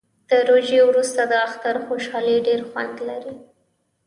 د روژې وروسته د اختر خوشحالي ډیر خوند لري